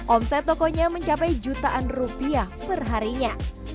omset tokonya mencapai jutaan rupiah perharinya